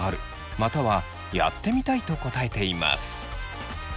またはやってみたいと答えています。